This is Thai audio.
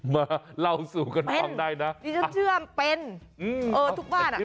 มาเล่าสู่กันทำได้นะอ่ะค่ะถึงชื่อเป็นทุกบ้านค่ะเป็น